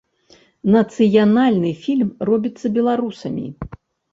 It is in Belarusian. Нацыянальны фільм робіцца беларусамі.